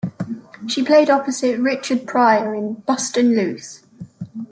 She played opposite Richard Pryor in "Bustin' Loose".